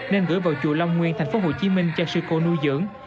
nên gửi vào chùa long nguyên tp hcm cho sư cô nuôi dưỡng